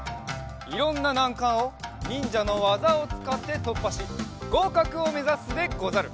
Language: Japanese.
いろんななんかんをにんじゃのわざをつかってとっぱしごうかくをめざすでござる！